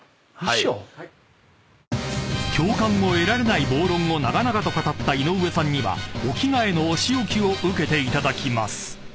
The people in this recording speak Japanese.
［共感を得られない暴論を長々と語った井上さんにはお着替えのお仕置きを受けていただきます］